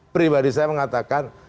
pribadi saya mengatakan